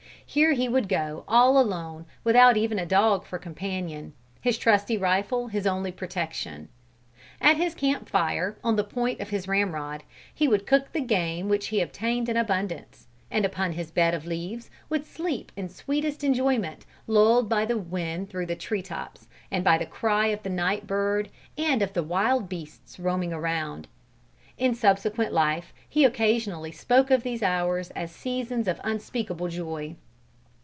Here he would go all alone without even a dog for companion, his trusty rifle his only protection. At his camp fire, on the point of his ramrod, he would cook the game which he obtained in abundance, and upon his bed of leaves would sleep in sweetest enjoyment, lulled by the wind through the tree tops, and by the cry of the night bird and of the wild beasts roaming around. In subsequent life, he occasionally spoke of these hours as seasons of unspeakable joy.